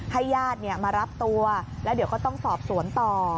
ญาติมารับตัวแล้วเดี๋ยวก็ต้องสอบสวนต่อ